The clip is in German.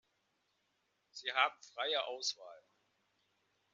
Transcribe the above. Sie haben freie Auswahl.